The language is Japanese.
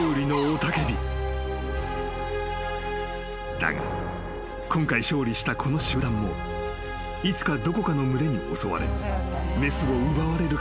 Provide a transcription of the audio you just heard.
［だが今回勝利したこの集団もいつかどこかの群れに襲われ雌を奪われる可能性はある］